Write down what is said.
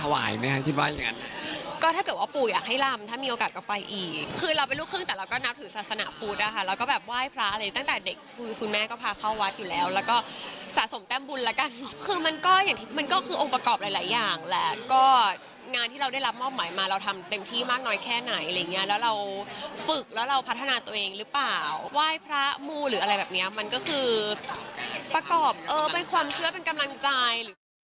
ว่ายพระมูลหรืออะไรแบบนี้มันก็คือประกอบเป็นความเชื่อเป็นกำลังจ่าย